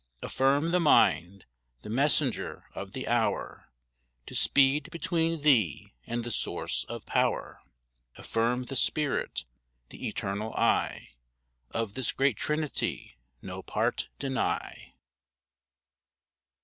Affirm the mind, the messenger of the hour, To speed between thee and the source of power. Affirm the spirit, the Eternal I— Of this great trinity no part deny.